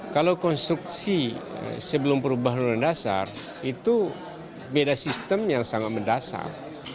kalau konstruksi sebelum perubahan undang undang dasar itu beda sistem yang sangat mendasar